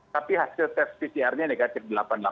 tapi hasil tes pcr nya negatif delapan puluh delapan